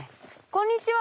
こんにちは！